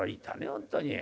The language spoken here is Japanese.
本当に。